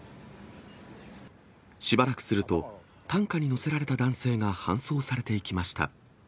しばらくすると、担架に乗せられた男性が搬送されていきました。